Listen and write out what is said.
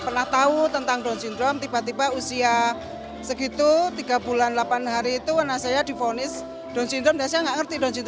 pedasahkan memain part vermont based on